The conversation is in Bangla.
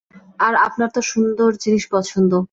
আর আপনার তো সুন্দর জিনিস পছন্দ।